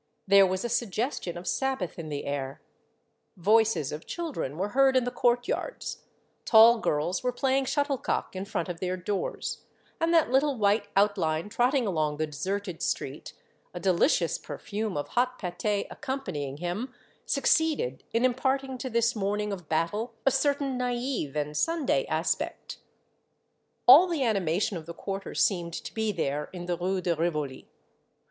There was a suggestion of Sabbath in the air; voices of children were heard in the courtyards, tall girls were playing shuttlecock in front of their doors, and that little white outline trotting along the deserted street, a delicious perfume of hot pat6 accompanying him, succeeded in imparting to this The Little Pates, 179 morning of battle, a certain naive and Sunday aspect. All the animation of the quarter seemed to be there in the Rue de Rivoli.